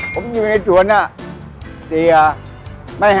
คนสุดในสวนปะทิ้งอ่ะ